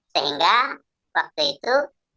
sehingga waktu itu